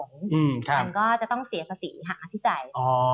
มันก็จะต้องเสียภาษีหาที่จ่าย